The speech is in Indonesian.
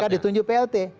maka ditunjuk plt